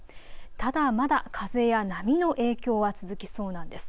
ただまだ風や波の影響は続きそうなんです。